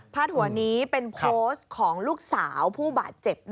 หัวนี้เป็นโพสต์ของลูกสาวผู้บาดเจ็บ